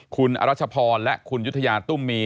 คุณอรัชพรและคุณยุธยาตุ้มมี